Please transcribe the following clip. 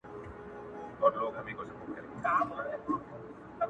لا تیاري دي مړې ډېوې نه دي روښانه,